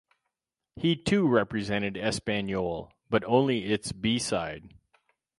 He too represented Espanyol, but only its B-side.